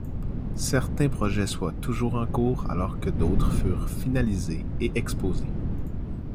Certains projets soient toujours en cours, alors que d'autres furent finalisés et exposés.